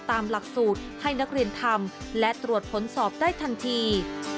ตามหลักสูตรให้นักเรียนทำและตรวจผลสอบได้ทันที